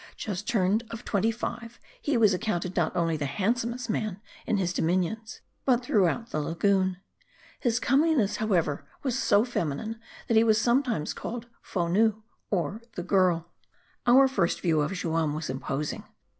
Just turn ed of twenty five, he was accounted not only the handsomest man in his dominions, but throughout the lagoon. His comeliness, however, *was so feminine, that he was some times called Fonoo," or the Girl. Our first view of Juam was imposing.